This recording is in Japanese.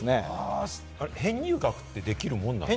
編入学でできるものなんですか？